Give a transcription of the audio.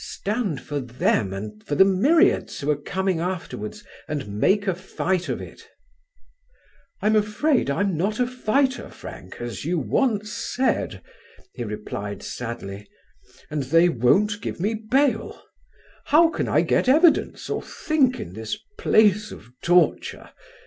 Stand for them and for the myriads who are coming afterwards and make a fight of it." "I'm afraid I'm not a fighter, Frank, as you once said," he replied sadly, "and they won't give me bail. How can I get evidence or think in this place of torture?